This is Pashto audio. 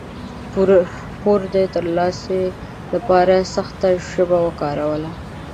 پور د ترلاسي لپاره سخته ژبه وکاروله.